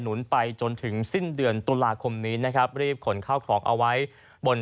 นุนไปจนถึงสิ้นเดือนตุลาคมนี้นะครับรีบขนข้าวของเอาไว้บน